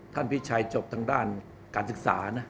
พี่ชัยจบทางด้านการศึกษานะ